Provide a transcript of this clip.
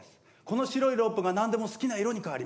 この白いロープが何でも好きな色に変わります。